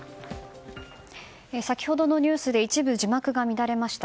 先ほどのニュースで一部字幕が乱れました。